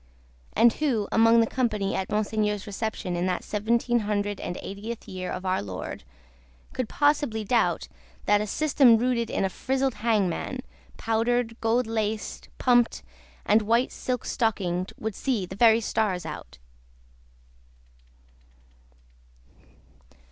And who among the company at Monseigneur's reception in that seventeen hundred and eightieth year of our Lord, could possibly doubt, that a system rooted in a frizzled hangman, powdered, gold laced, pumped, and white silk stockinged, would see the very stars out!